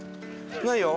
ないよ。